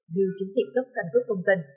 như chứng dịch cấp cân cấp công dân